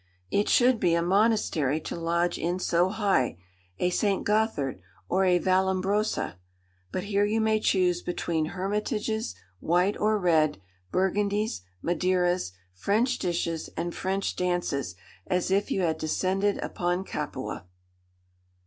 It should be a monastery to lodge in so high—a St. Gothard, or a Vallambrosa. But here you may choose between Hermitages, "white" or "red," Burgundies, Madeiras, French dishes, and French dances, as if you had descended upon Capua.